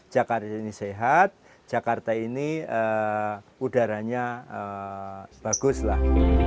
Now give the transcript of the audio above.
jakarta ini sehat jakarta ini udaranya bagus lah